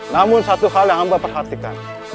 namun satu hal yang hamba perhatikan